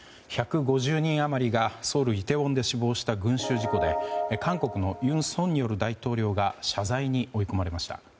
１５０人余りがソウル・イテウォンで死亡した群衆事故で韓国の尹錫悦大統領が謝罪に追い込まれました。